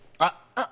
あっ！